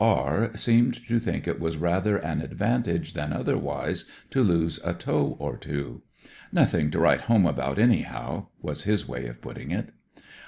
R seemed to think it was rather an advantage than otherwise to lose a toe or two. "Nothing to write home about, anyhow," was his way of putting it.